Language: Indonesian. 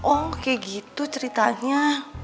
oh kayak gitu ceritanya